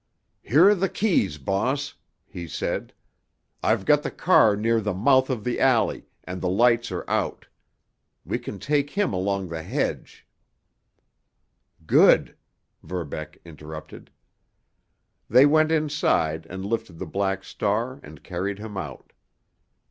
"Here are the keys, boss," he said. "I've got the car near the mouth of the alley, and the lights are out. We can take him along the hedge——" "Good!" Verbeck interrupted. They went inside and lifted the Black Star and carried him out.